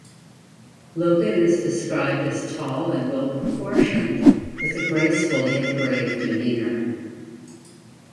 Logan is described as tall and well-proportioned, with a graceful yet grave demeanour.